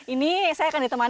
ini saya akan ditemukan